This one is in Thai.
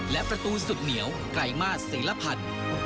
และประตูสุดเหนียวไกลมาสศิลพันธ์